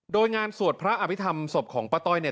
โดยงานสวดพระอภิษฐรรมศพของป้าต้อยเนี่ย